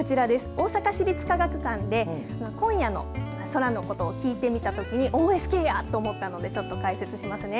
大阪市立科学館で今夜の空のことを聞いてみたときにＯＳＫやと思ったので解説してみますね。